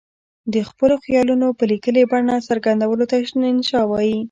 د خپلو خیالونو په لیکلې بڼه څرګندولو ته انشأ وايي.